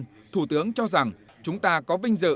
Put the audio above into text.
vì vậy thủ tướng cho rằng chúng ta có vinh dự